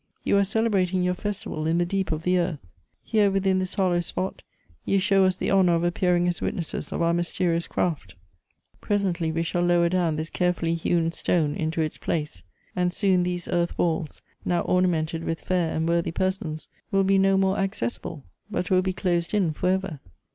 You are celebrating your festival in the deep of the earth. Here within this hollow spot, you show us the honor of appearing as witnesses of our mysterious craft. Presently Elective Affinities. 75 we shall lower down this carefully hewn stone into its place ; and soon these earth walla, now ornamented with fair and worthy persons, will be no more accessible — but will be closed in for ever